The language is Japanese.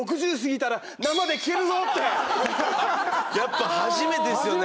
やっぱ初めてですよね。